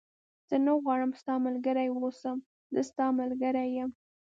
زه نه غواړم ستا ملګری و اوسم، زه ستا ملګری یم.